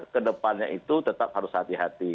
kedepannya itu tetap harus hati hati